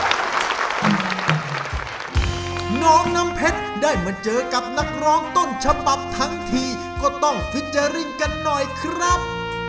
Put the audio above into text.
น้องน้ำเพชรได้มาเจอกับนักร้องต้นฉบับทั้งทีก็ต้องฟิเจอร์ริ่งกันหน่อยครับ